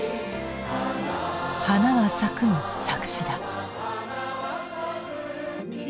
「花は咲く」の作詞だ。